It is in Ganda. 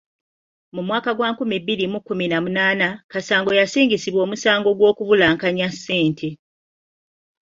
Mu mwaka gwa nkumi bbiri mu kkumi na munaana, Kasango yasingisibwa omusango gw'okubulankanya ssente.